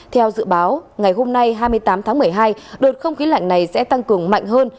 theo dự báo ngày hôm nay hai mươi tám tháng một mươi hai đợt không khí lạnh này sẽ tăng cường mạnh hơn